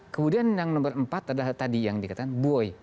kemudian yang nomor empat adalah tadi yang dikatakan buoy